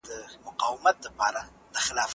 زه مخکي زده کړه کړي وو؟!